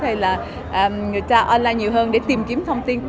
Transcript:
hay là người ta online nhiều hơn để tìm kiếm thông tin